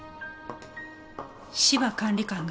芝管理官が？